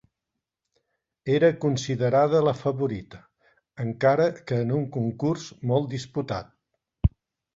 Era considerada la favorita, encara que en un concurs molt disputat.